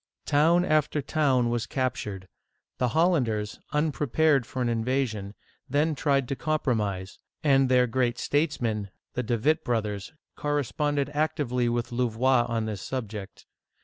Town after town was captured. The Hollanders, un prepared for an invasion, then tried to compromise; and their great statesmen, the De Witt brothers, corresponded actively with Louvois on this subject.